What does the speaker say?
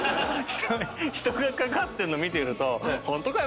人がかかってんの見てるとホントかよ